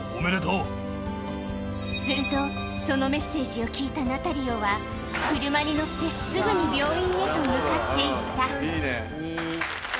すると、そのメッセージを聞いたナタリオは、車に乗ってすぐに病院へと向かっていった。